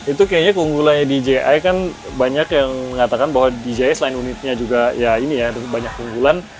itu kayaknya keunggulannya dji kan banyak yang mengatakan bahwa dj selain unitnya juga ya ini ya banyak keunggulan